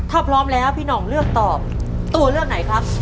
ถ้าพร้อมแล้วพี่หน่องเลือกตอบตัวเลือกไหนครับ